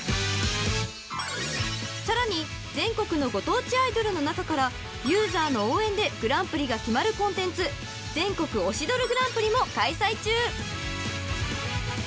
［さらに全国のご当地アイドルの中からユーザーの応援でグランプリが決まるコンテンツ全国推しドルグランプリも開催中］